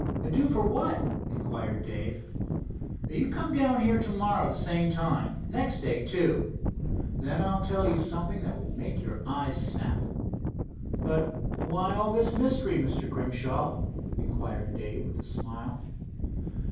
"Do for what?" inquired Dave. "You come down here to morrow at the same time. Next day, too. Then I'll tell you something that will make your eyes snap." "But why all this mystery, Mr. Grimshaw?" inquired Dave with a smile.